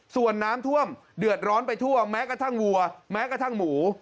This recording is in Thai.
ส่วนน้ำท่วมเดือดร้อนไปทั่วแม้กระทั่งวัวแม้กระทั่งหมู